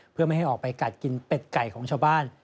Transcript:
เพื่อไม่ให้ออกไปกัดกินเป็ดไก่ของชาวบ้าน